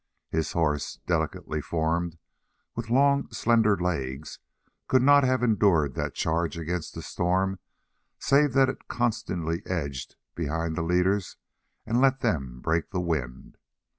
His horse, delicately formed, with long, slender legs, could not have endured that charge against the storm save that it constantly edged behind the leaders and let them break the wind.